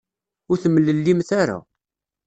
Ur temlellimt ara.